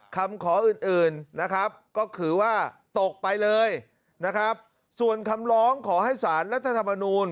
คำขออื่นก็คือว่าตกไปเลยส่วนคำร้องขอให้สารรัฐธรรมนูน